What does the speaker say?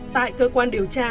tại cơ quan điều tra